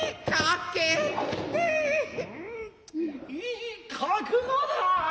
うんいい覚悟だ。